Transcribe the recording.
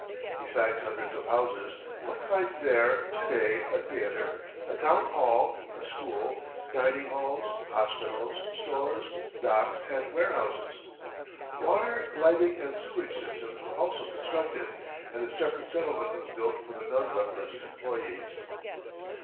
Besides hundreds of houses, one finds there to day a theater, a town hall, a school, dining halls, hospitals, stores, docks and warehouses. Water, lighting and sewerage systems were also constructed, and a separate settlement was built for the non leprous employees.